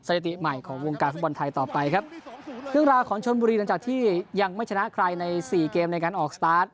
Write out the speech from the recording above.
สถิติใหม่ของวงการฟุตบอลไทยต่อไปครับเรื่องราวของชนบุรีหลังจากที่ยังไม่ชนะใครในสี่เกมในการออกสตาร์ท